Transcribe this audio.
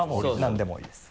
なんでもいいです。